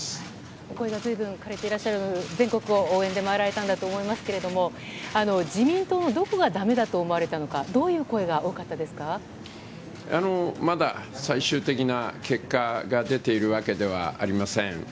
お声がずいぶんかれていらっしゃる、全国を応援で回られたんだと思いますけれども、自民党のどこがだめだと思われたのか、まだ最終的な結果が出ているわけではありません。